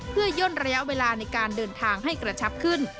เพื่อย่นระยะเวลาในการเดินทางให้กระชับขึ้น